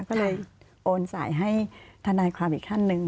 ก็เลยโอนสายให้ทนายความอีกท่านหนึ่ง